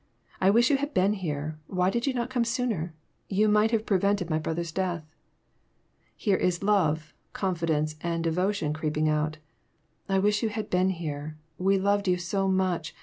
'< I wish yon had been here: why did you not come sooner? You might have prevented my brother's death." Here is love, confidence, and devotion creeping out. " I wish you had been here. We loved you so much.